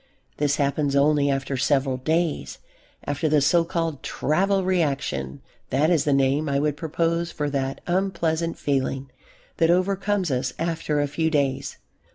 This happens only after several days, after the so called "travel reaction." That is the name I would propose for that unpleasant feeling that overcomes us after a few days.